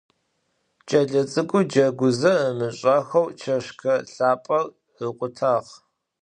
Ç'elets'ık'ur ceguze, ımış'axeu çeşşke lhap'er ıkhutağ.